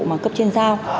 mà cấp trên dao